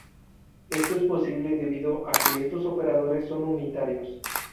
Esto es posible debido a que estos operadores son unitarios.